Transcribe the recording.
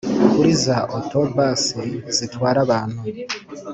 Kuri za auto bus zitwara abantu